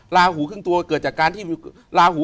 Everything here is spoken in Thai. ลาหูครึ่งตัวเกิดจากการที่มีลาหู